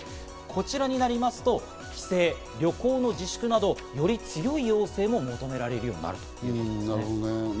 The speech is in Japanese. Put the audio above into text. こちらになりますと帰省・旅行の自粛など、より強い要請も求められるようになるということです。